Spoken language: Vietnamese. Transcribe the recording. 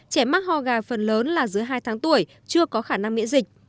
trẻ mắc ho gà phần lớn là dưới hai tháng tuổi chưa có khả năng miễn dịch